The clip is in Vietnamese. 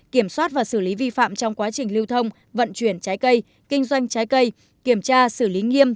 kiểm soát và xử lý vi phạm trong quá trình lưu thông vận chuyển trái cây kinh doanh trái cây kiểm tra xử lý nghiêm